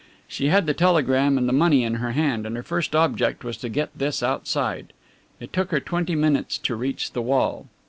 She had the telegram and the money in her hand, and her first object was to get this outside. It took her twenty minutes to reach the wall.